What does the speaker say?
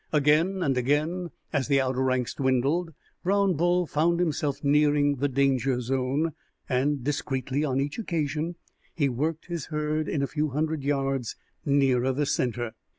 Again and again, as the outer ranks dwindled, Brown Bull found himself nearing the danger zone, and discreetly on each occasion he worked his herd in a few hundred yards nearer the center.